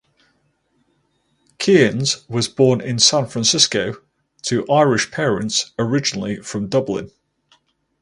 Kearns was born in San Francisco to Irish parents originally from Dublin.